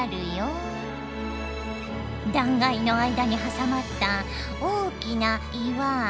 断崖の間に挟まった大きな岩。